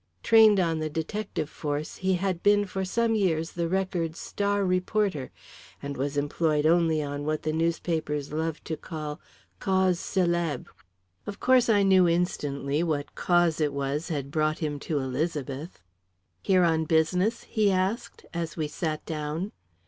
Trained on the detective force, he had been for some years the Record's star reporter, and was employed only on what the newspapers love to call causes célèbres. Of course, I knew instantly what "cause" it was had brought him to Elizabeth. "Here on business?" he asked, as we sat down.